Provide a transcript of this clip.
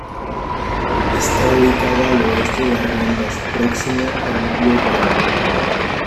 Está ubicada al oeste de Arriondas próxima al núcleo urbano.